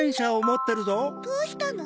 どうしたの？